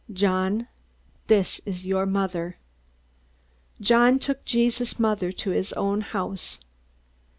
John, this is your mother." John took Jesus' mother to his own house.